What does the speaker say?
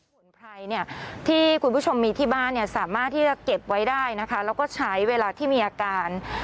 ส่วนใครเนี่ยที่คุณผู้ชมมีที่บ้านเนี่ยสามารถที่จะเก็บไว้ได้นะคะแล้วก็ใช้เวลาที่มีอาการ